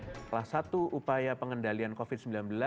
salah satu upaya pengendalian covid sembilan belas